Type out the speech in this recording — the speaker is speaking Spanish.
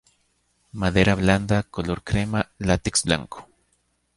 Madera blanda, color crema, látex blanco.